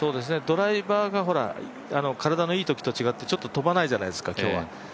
ドライバーが体のいいときと違ってちょっと飛ばないじゃないですか、今日は。